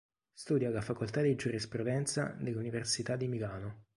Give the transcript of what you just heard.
Studia alla facoltà di Giurisprudenza dell'Università di Milano.